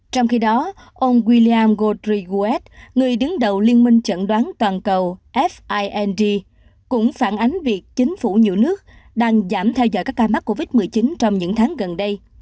trong khi đó ông williang godriguet người đứng đầu liên minh chẩn đoán toàn cầu fing cũng phản ánh việc chính phủ nhiều nước đang giảm theo dõi các ca mắc covid một mươi chín trong những tháng gần đây